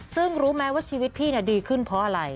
ซึ่งรู้ไหมว่าชีวิตพี่ดีขึ้นเพราะอะไร